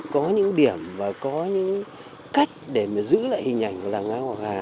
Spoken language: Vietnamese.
có những điểm và có những cách để giữ lại hình ảnh của làng ngang ngọc hà là cái tốt